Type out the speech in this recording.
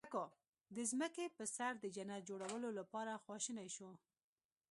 د ځمکې په سر د جنت جوړولو لپاره خواشني شو.